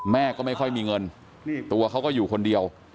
แม่ก็ไม่ค่อยมีเงินตัวเขาก็อยู่คนเดียว